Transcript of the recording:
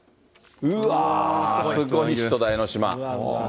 うわー、すごい人だ、江の島。